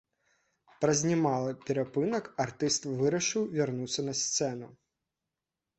Праз немалы перапынак артыст вырашыў вярнуцца на сцэну.